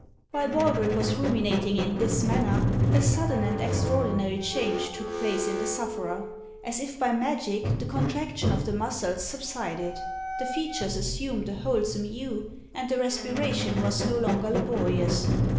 While Baldred was ruminating in this manner, a sudden and extraordinary change took place in the sufferer. As if by magic, the contraction of the muscles subsided; the features assumed a wholesome hue, and the respiration was no longer laborious.